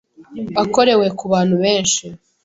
akorewe ku bantu benshi,